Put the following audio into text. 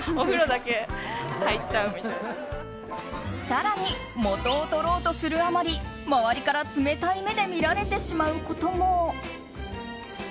更に、元を取ろうとするあまり周りから冷たい目で見られてしまうことも。